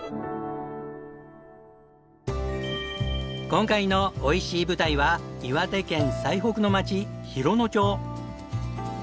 今回のおいしい舞台は岩手県最北の町洋野町。